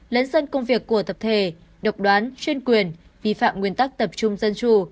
lấn dân công việc của tập thể độc đoán chuyên quyền vi phạm nguyên tắc tập trung dân chủ